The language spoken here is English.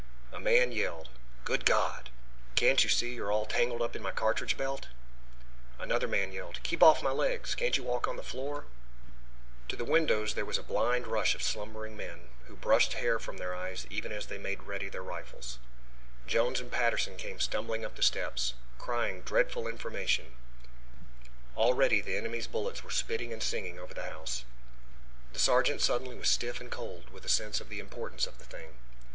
A man yelled: "Good God, can't you see you're all tangled up in my cartridge belt?" Another man yelled: "Keep off my legs! Can't you walk on the floor?" To the windows there was a blind rush of slumberous men, who brushed hair from their eyes even as they made ready their rifles. Jones and Patterson came stumbling up the steps, crying dreadful information. Already the enemy's bullets were spitting and singing over the house. The sergeant suddenly was stiff and cold with a sense of the importance of the thing.